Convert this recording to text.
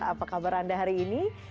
apa kabar anda hari ini